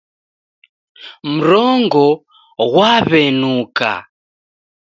Mrongo ghwaw'enuka